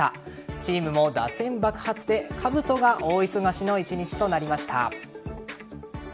チームも打線爆発でかぶとが大忙しの１日となりました。